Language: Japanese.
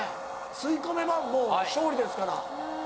吸い込めば勝利ですから。